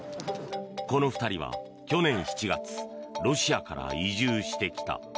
この２人は、去年７月ロシアから移住してきた。